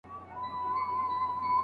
د ښه ټرانسپورټ نشتوالى پرمختګ ټکنی کوي.